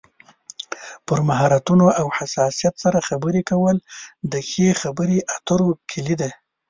پر مهارتونو او حساسیت سره خبرې کول د ښې خبرې اترو کلي ده.